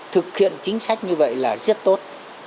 thực hiện chính sách như vậy là rất tốt